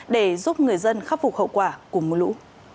để giúp người dân khắc phục hậu quả của mưa lũ